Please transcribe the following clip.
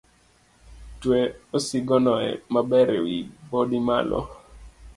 Twe osigono maber ewi bodi malo.